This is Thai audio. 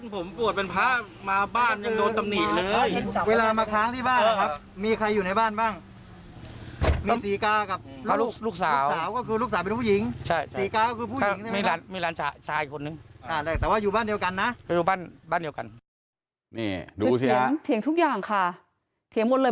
ผมปวดเป็นพระมาบ้านยังโดนตำหนี่เลย